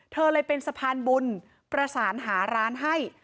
เธอเลยเป็นสะพานบุญประสานหาร้านให้